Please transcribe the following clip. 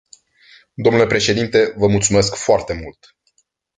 Domnule președinte, vă mulțumesc foarte mult.